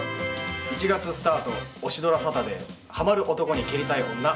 １月スタートオシドラサタデー「ハマる男に蹴りたい女」